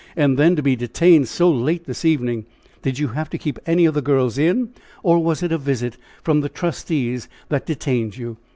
And then to be detained so late this evening. Did you have to keep any of the girls in, or was it a visit from the trustees that detained you?"